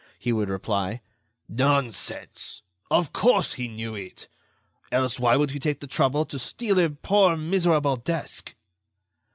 He would reply; "Nonsense! of course, he knew it ... else why would he take the trouble to steal a poor, miserable desk?"